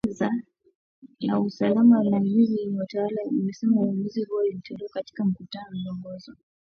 Baraza la usalama na ulinzi linalotawala limesema uamuzi huo ulitolewa katika mkutano ulioongozwa na kiongozi wa kijeshi.